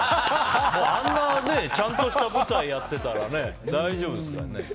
あんなちゃんとした舞台をやってたらね大丈夫ですからね。